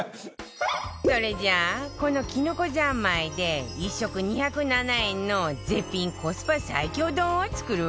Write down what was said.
それじゃあこのきのこ三昧で１食２０７円の絶品コスパ最強丼を作るわよ